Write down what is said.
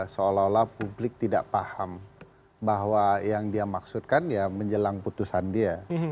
seolah olah publik tidak paham bahwa yang dia maksudkan ya menjelang putusan dia